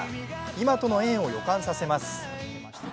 今との縁を予感させます。